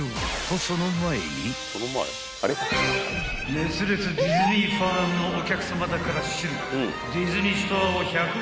［熱烈ディズニーファンのお客さまだから知る］